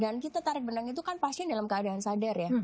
dan kita tarik benang itu kan pasien dalam keadaan sadar ya